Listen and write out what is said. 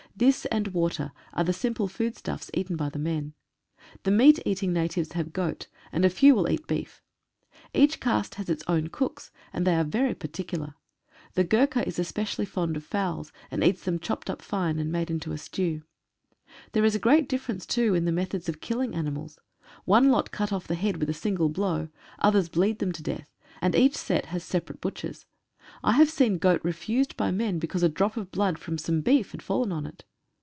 This and water are the simple foodstuffs eaten by the men. The meat eating natives have goat, and a few will eat beef. Each caste has its own cooks, and they are very particular. The Gurkha is especially fond of fowls, and eats them chopped up fine and made into a stew. There is a great difference, too, in the methods of killing ani mals — one lot cut off the head with a single blow, others bleed them to death, and each set has separate butchers. I have seen goat refused by men because a drop of blood from some beef had fallen on it.